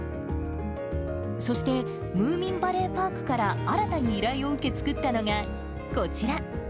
そして、ムーミンバレーパークから新たに依頼を受け作ったのが、こちら。